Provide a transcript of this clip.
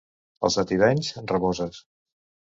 Els de Tivenys, raboses.